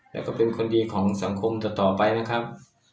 แล้วก็เป็นคนดีของสังคมต่อไปนะครับ